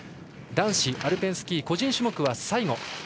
男子アルペンスキー個人種目は最後。